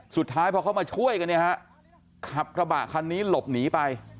สุดท้ายพอเขามาช่วยกันเนี่ยฮะขับกระบะคันนี้หลบหนีไป